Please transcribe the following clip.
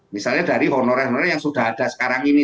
misalnya dari honorer honorer yang sudah ada sekarang ini